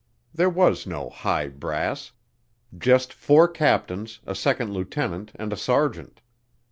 There was no "high brass," just four captains, a second lieutenant, and a sergeant.